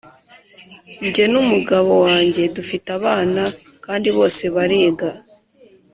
njye n‘umugabo wanjye dufite abana kandi bose bariga.